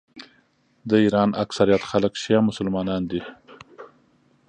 د ایران اکثریت خلک شیعه مسلمانان دي.